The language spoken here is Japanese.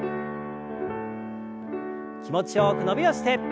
気持ちよく伸びをして。